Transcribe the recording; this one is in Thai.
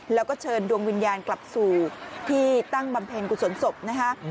แล้วก็เชิญดวงวิญญาณกลับสู่ที่ตั้งบำเพ็ญกุศลศพนะคะ